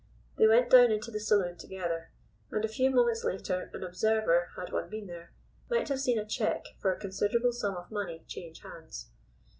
They went down into the saloon together, and a few moments later an observer, had one been there, might have seen a cheque for a considerable sum of money change hands.